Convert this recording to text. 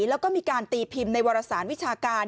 แล้วก็มีการตีพิมพ์ในวารสารวิชาการ